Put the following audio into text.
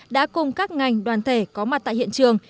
đã cùng các ngành đoàn thể có mặt tại hiện trường